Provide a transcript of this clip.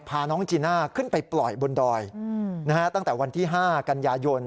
พาน้องจีน่าขึ้นไปปล่อยบนดอยตั้งแต่วันที่๕กันยายน